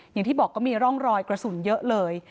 อย่างที่บอกก็มีร่องรอยกระสุนเยอะเลย